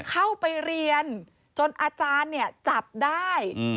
เข้าไปเรียนจนอาจารย์เนี่ยจับได้